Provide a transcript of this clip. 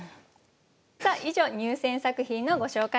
さあ以上入選作品のご紹介でした。